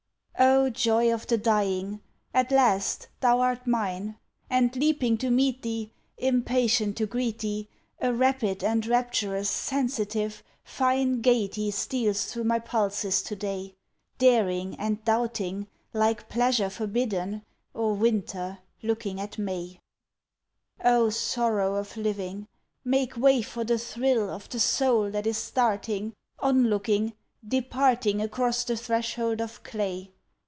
Oh, joy of the dying! At last thou art mine. And leaping to meet thee, Impatient to greet thee, A rapid and rapturous, sensitive, fine Gayety steals through my pulses to day, Daring and doubting like pleasure Forbidden, or Winter looking at May. Oh, sorrow of living! Make way for the thrill Of the soul that is starting Onlooking departing Across the threshold of clay.